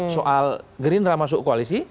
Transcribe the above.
soal gerindra masuk koalisi